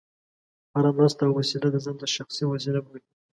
هره مرسته او وسیله د ځان شخصي وسیله بولي.